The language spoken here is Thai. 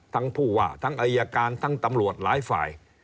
ผู้ว่าทั้งอายการทั้งตำรวจหลายฝ่าย